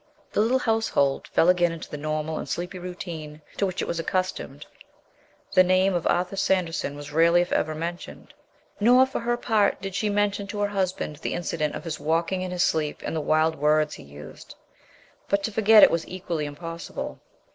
The little household fell again into the normal and sleepy routine to which it was accustomed. The name of Arthur Sanderson was rarely if ever mentioned. Nor, for her part, did she mention to her husband the incident of his walking in his sleep and the wild words he used. But to forget it was equally impossible.